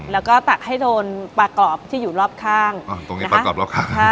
แล้วก็ตักให้โดนปลากรอบที่อยู่รอบข้างอ่าตรงนี้ปลากรอบข้างค่ะ